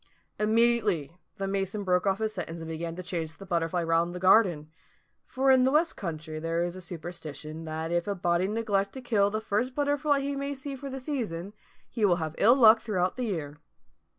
Immediately the mason broke off his sentence and began to chase the butterfly round the garden: for in the West country there is a superstition that if a body neglect to kill the first butterfly he may see for the season, he will have ill luck throughout the year.